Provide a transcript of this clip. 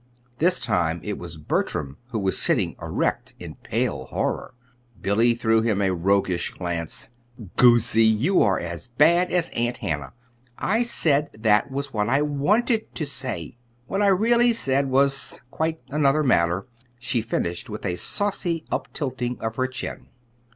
This time it was Bertram who was sitting erect in pale horror. Billy threw him a roguish glance. "Goosey! You are as bad as Aunt Hannah! I said that was what I wanted to say. What I really said was quite another matter," she finished with a saucy uptilting of her chin.